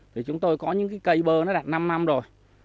thì chúng tôi có những cây bơ nó đã năm năm rồi